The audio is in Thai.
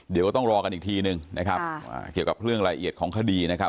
เดี๋ยวก็ต้องรอกันอีกทีนึงนะครับเกี่ยวกับเรื่องรายละเอียดของคดีนะครับ